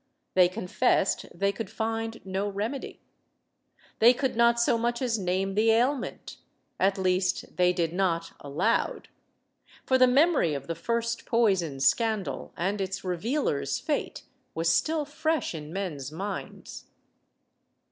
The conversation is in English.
They confessed they could find no remedy. They could not so much as name the ailment. At least, they did not aloud. For the memory of the first poison scandal and its revealer's fate was still fresh in men's minds.